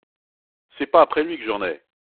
C’est pas après lui que j’en ai !